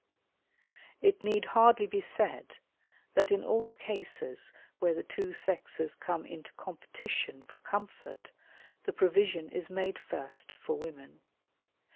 It need hardly be said that in all cases where the two sexes come into competition for comfort, the provision is made first for women.